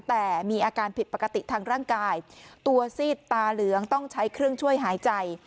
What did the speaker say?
แต่มีอาการผิดปกติทางร่างกายตัวซีดตาเหลืองต้องใช้เครื่องช่วยหายใจ